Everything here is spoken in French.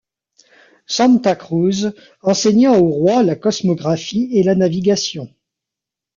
Santa Cruz enseigna au roi la cosmographie et la navigation.